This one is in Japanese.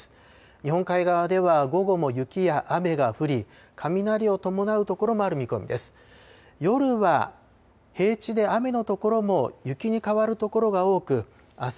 日本海側では午後も雪や雨が降り、雷を伴う所もある見込みです。